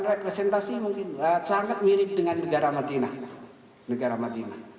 representasi sangat mirip dengan negara matina